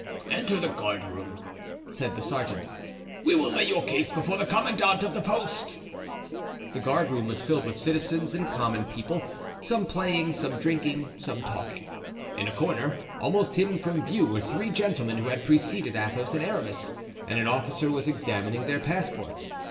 "Enter the guardroom," said the sergeant; "we will lay your case before the commandant of the post." The guardroom was filled with citizens and common people, some playing, some drinking, some talking. In a corner, almost hidden from view, were three gentlemen, who had preceded Athos and Aramis, and an officer was examining their passports.